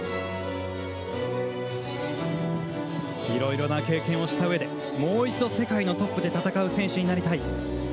いろいろな経験をしたうえでもう一度、世界のトップで戦える選手になりたい。